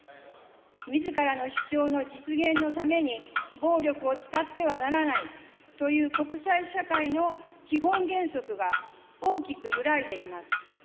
みずからの主張の実現のために暴力を使ってはならないという国際社会の基本原則が大きく揺らいでいます。